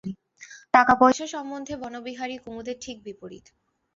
টাকাপয়সা সম্বন্ধে বনবিহারী কুমুদের ঠিক বিপরীত।